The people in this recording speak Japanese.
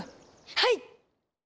はい！